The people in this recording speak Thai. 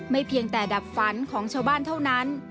เพียงแต่ดับฝันของชาวบ้านเท่านั้น